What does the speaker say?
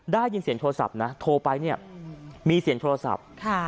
ได้ยินเสียงโทรศัพท์นะโทรไปเนี่ยมีเสียงโทรศัพท์